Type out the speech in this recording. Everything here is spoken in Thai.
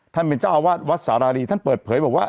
ท่านเป็นเจ้าอาวาสวัดสารีท่านเปิดเผยบอกว่า